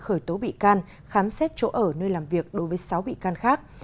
khởi tố bị can khám xét chỗ ở nơi làm việc đối với sáu bị can khác